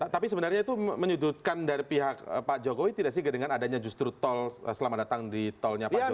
tapi sebenarnya itu menyudutkan dari pihak pak jokowi tidak sih dengan adanya justru tol selamat datang di tolnya pak jokowi